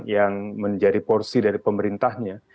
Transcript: yang menjadi porsi dari pemerintahnya